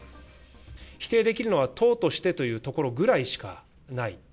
否定できるのは、党としてというところぐらいしかない。